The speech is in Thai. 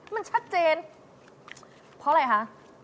มันชัดเจนเพราะอะไรคะ